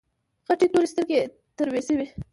غټې تورې سترګې يې تروې شوې.